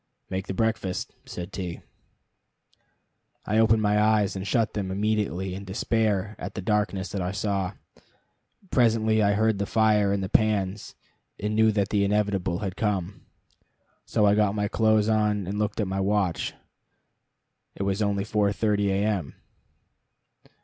"Make the breakfast," said T . I opened my eyes, and shut them immediately in despair at the darkness that I saw. Presently I heard the fire and the pans, and knew that the inevitable had come. So I got my clothes on, and we looked at my watch. It was only 4.30 A. M.